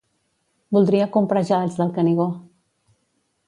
Voldria comprar gelats del Canigó.